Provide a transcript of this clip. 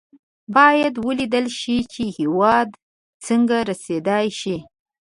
باید ولېدل شي چې هېواد څنګه رسېدای شي.